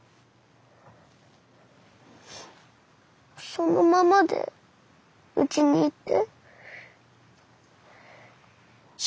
そのままでうちにいて。